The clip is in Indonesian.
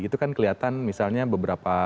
itu kan kelihatan misalnya beberapa